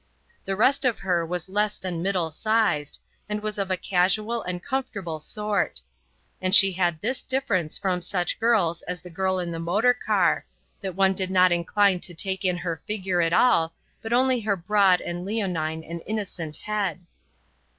The rest of her was less than middle sized, and was of a casual and comfortable sort; and she had this difference from such girls as the girl in the motor car, that one did not incline to take in her figure at all, but only her broad and leonine and innocent head.